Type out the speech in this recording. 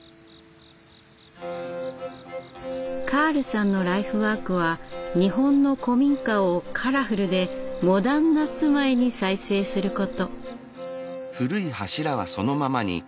カールさんのライフワークは日本の古民家をカラフルでモダンな住まいに再生すること。